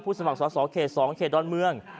ผู้สมัครสาวเขต๒เขตด้อนเมือง